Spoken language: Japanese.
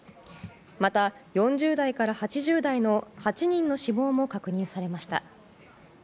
また、４０代から８０代の８人の死亡も確認されました。